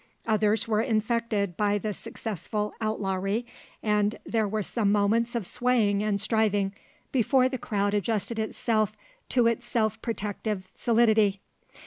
Others were infected by the successful outlawry and there were some moments of swaying and striving before the crowd adjusted itself to its self protective solidity.